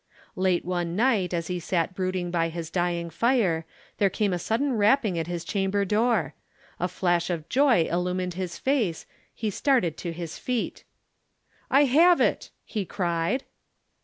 "'Late one night, as he sat brooding by his dying fire, there came a sudden rapping at his chamber door. A flash of joy illumined his face, he started to his feet. "'"I have it!" he cried.